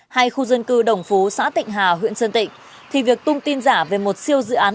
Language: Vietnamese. hay khu dân cư đồng phú xã tịnh hà huyện sơn tịnh thì việc tung tin giả về một siêu dự án